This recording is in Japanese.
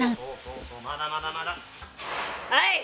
はい！